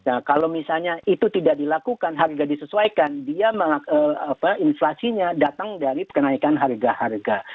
nah kalau misalnya itu tidak dilakukan harga disesuaikan dia inflasinya datang dari kenaikan harga harga